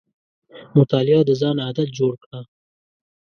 مطالعه د ځان عادت جوړ کړه.